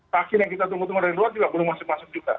vaksin yang kita tunggu tunggu dari luar juga belum masuk masuk juga